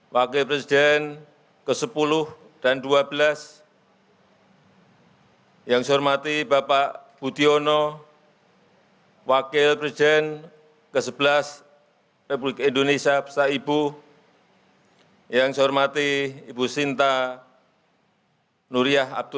wakil presiden ke tujuh republik indonesia bapak tri sutresno